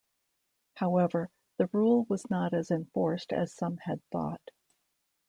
However, the rule was not as enforced as some had thought.